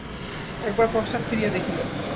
একবার পশ্চাৎ ফিরিয়া দেখিলেন।